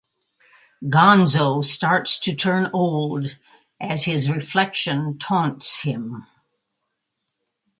Gonzo starts to turn old as his reflection taunts him.